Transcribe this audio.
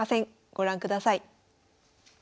ご覧ください。